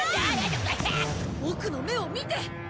ボクの目を見て！